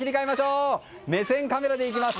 目線カメラで行きます。